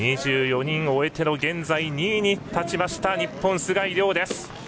２４人終えて現在、２位に立ちました日本、須貝龍です。